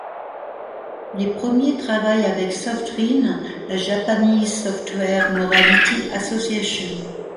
Les premiers travaillent avec Sof-Rin, la Japanese Software Morality Association.